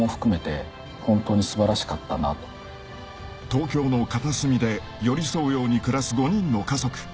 ［東京の片隅で寄り添うように暮らす５人の家族］